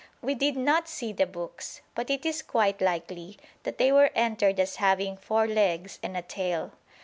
We did not see the books, but it is quite likely that they were entered as having "four legs and a tail."